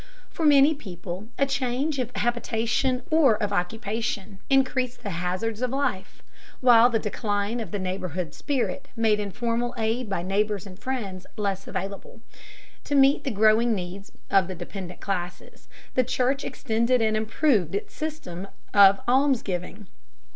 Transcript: For many people a change of habitation or of occupation increased the hazards of life, while the decline of the neighborhood spirit made informal aid by neighbors and friends less available. To meet the growing needs of the dependent classes, the Church extended and improved its system of almsgiving.